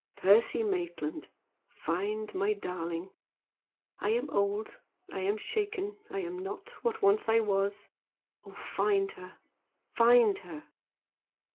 "Percy Maitland, find my darling! I am old; I am shaken. I am not what once I was. Oh, find her! find her!"